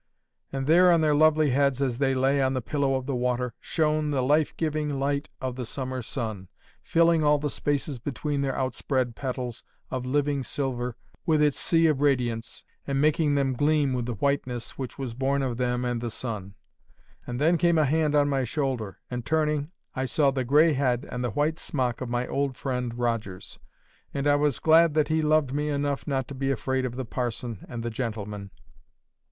And there on their lovely heads, as they lay on the pillow of the water, shone the life giving light of the summer sun, filling all the spaces between their outspread petals of living silver with its sea of radiance, and making them gleam with the whiteness which was born of them and the sun. And then came a hand on my shoulder, and, turning, I saw the gray head and the white smock of my old friend Rogers, and I was glad that he loved me enough not to be afraid of the parson and the gentleman.